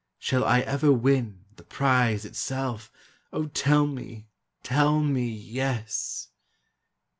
Shall I ever win the prize itself? O tell me, tell me, Yes!